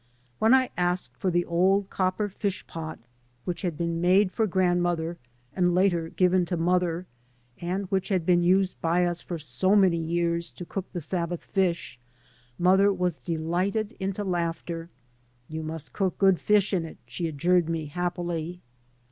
When I asked for the old copper fish pot which had been made 3 by Google MY. M O T H BR AND I for grandmother, and later given to mother, and which had been used by us for so many years to cook the Sabbath fish, mother was delighted into laughter. " You must cook good fish in it," she adjured me happily.